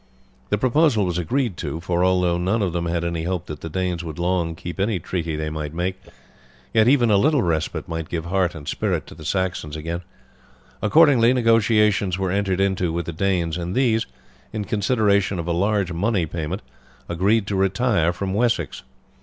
The proposal was agreed to, for although none of them had any hope that the Danes would long keep any treaty they might make, yet even a little respite might give heart and spirit to the Saxons again. Accordingly negotiations were entered into with the Danes, and these, in consideration of a large money payment, agreed to retire from Wessex.